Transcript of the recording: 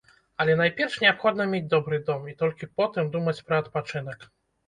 Але найперш неабходна мець добры дом, і толькі потым думаць пра адпачынак.